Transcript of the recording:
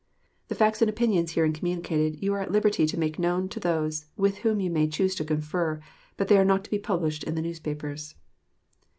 The facts and opinions herein communicated you are at liberty to make known to those with whom you may choose to confer, but they are not to be published in the newspapers.